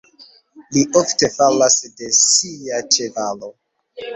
Li ofte falas de sia ĉevalo.